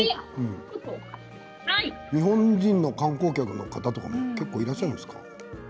日本人の観光客の方も結構いらっしゃるんですか？